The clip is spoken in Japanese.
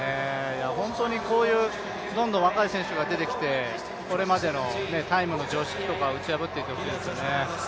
こういうどんどん若い選手が出てきて、これまでのタイムの常識とか打ち破っていってほしいですよね。